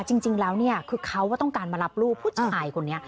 จริงแล้วเนี่ยคือเขาก็ต้องการมารับลูกผู้ชายคนนี้